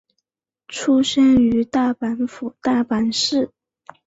出身于大阪府大阪市。